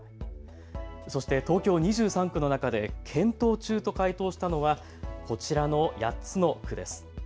そして東京２３区の中で検討中と回答したのはこちらの８つの区です。